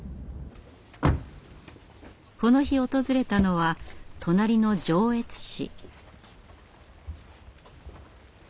この日訪れたのは隣の上越市。